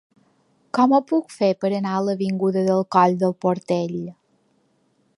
Com ho puc fer per anar a l'avinguda del Coll del Portell?